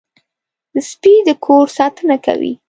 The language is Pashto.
سپي د کور ساتنه کوي.